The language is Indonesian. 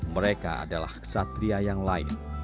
mereka adalah kesatria yang lain